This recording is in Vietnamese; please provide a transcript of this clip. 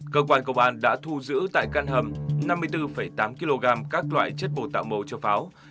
cơ quan công an đã thu giữ tại căn hầm năm mươi bốn tám kg các loại chất bồ tạo màu cho pháo